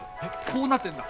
こうなってんだ？